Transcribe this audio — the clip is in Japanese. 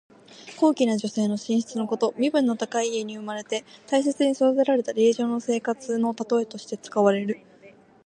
高貴な女性の寝室のこと。身分の高い家に生まれて大切に育てられた令嬢の生活のたとえとして使われる。